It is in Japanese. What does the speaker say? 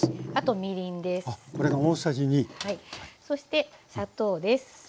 そして砂糖です。